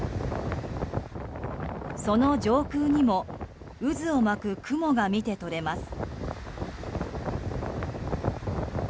その上空にも渦を巻く雲が見て取れます。